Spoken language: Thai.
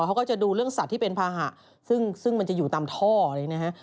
เขาก็จะดูเรื่องสัตว์ที่เป็นภาหะซึ่งมันจะอยู่ตามท่อเลยนะฮะ